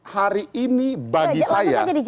hari ini bagi saya